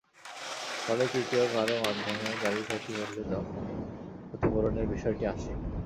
ফলে তৃতীয় কারও মাধ্যমে গাড়ির ক্ষতি হলে তখনই ক্ষতিপূরণের বিষয়টি আসে।